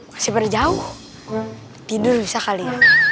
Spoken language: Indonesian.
masih berjauh tidur sekali